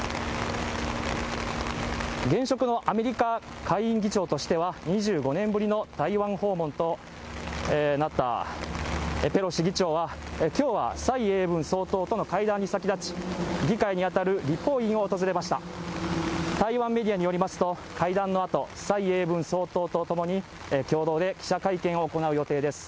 現職のアメリカ下院議長としては２５年ぶりの台湾訪問となったペロシ議長はきょうは蔡英文総統との会談に先立ち議会に当たる立法院を訪れました台湾メディアによりますと会談のあと蔡英文総統と共に共同で記者会見を行う予定です